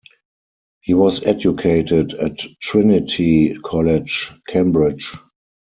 He was educated at Trinity College, Cambridge.